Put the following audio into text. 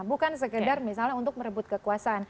bukan sekedar misalnya untuk merebut kekuasaan